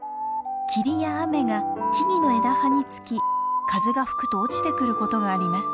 霧や雨が木々の枝葉につき風が吹くと落ちてくることがあります。